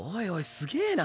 すげぇな。